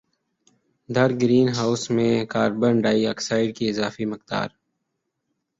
دھر greenhouse میں carbon dioxide کی اضافی مقدار